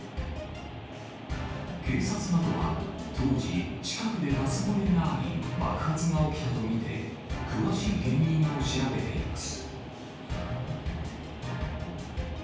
警察などは当時、近くでガス漏れがあり、爆発が起きたと見て、詳しい原因を調べています。